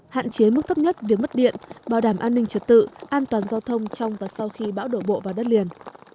hạn chế mức thấp nhất việc mất điện bảo đảm an ninh trật tự an toàn giao thông trong và sau khi bão đổ bộ vào đất liền